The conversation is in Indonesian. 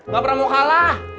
gak pernah mau kalah